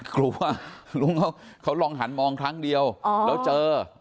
กลัวว่าลุงเขาลองหันมองครั้งเดียวแล้วเจอ